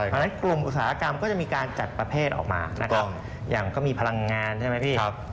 เพราะฉะนั้นกลุ่มอุตสาหกรรมก็จะมีการจัดประเภทออกมานะครับอย่างก็มีพลังงานใช่ไหมพี่